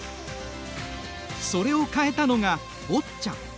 それを変えたのがボッチャ。